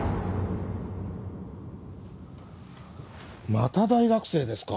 また大学生ですか。